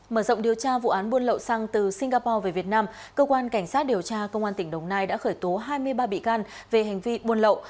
mở rộng điều tra vụ án buôn lậu xăng từ singapore về việt nam cơ quan cảnh sát điều tra công an tỉnh đồng nai đã khởi tố hai mươi ba bị can về hành vi buôn lậu